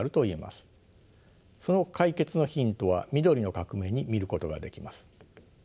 その解決のヒントは緑の革命に見ることができます。